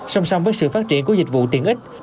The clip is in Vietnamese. song song với sự phát triển của dịch vụ tiện ích